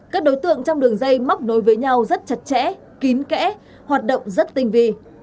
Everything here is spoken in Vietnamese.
các đối tượng trong đường dây móc nối với nhau rất chặt chẽ kín kẽ hoạt động rất tinh vi